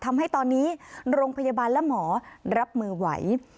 ทำให้ตอนนี้โรงพยาบาลและหมอรับมือไหว